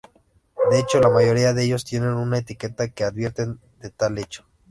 De hecho, la mayoría de ellos tienen una etiqueta que advierten de tal hecho.